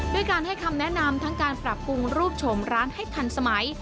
ด้วยการให้คำแนะนำทั้งการปรับปรุงรูปชมร้านให้ทันสมัย